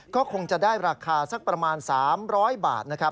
ก็คงจะได้ราคาสักประมาณ๓๐๐บาทนะครับ